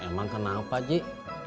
emang kenapa dik